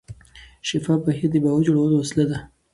شفاف بهیر د باور جوړولو وسیله ده.